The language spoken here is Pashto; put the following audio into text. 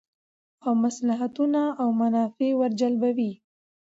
او مصلحتونه او منافع ور جلبوی